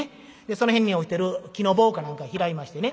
その辺に落ちてる木の棒か何か拾いましてね